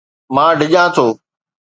مان ڊڄان ٿو